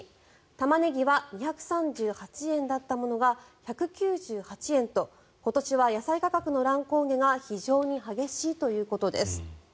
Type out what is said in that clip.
タマネギは２３８円だったものが１９８円と今年は野菜価格の乱高下が非常に激しいということです。